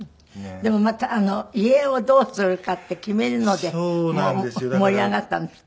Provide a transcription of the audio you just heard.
でもまた遺影をどうするかって決めるので盛り上がったんですって？